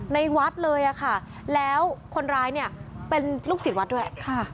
ในวัดเลยอะค่ะแล้วคนร้ายเนี่ยเป็นลูกศิษย์วัดด้วย